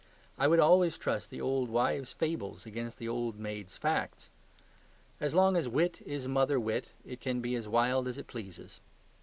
I would always trust the old wives' fables against the old maids' facts. As long as wit is mother wit it can be as wild as it pleases.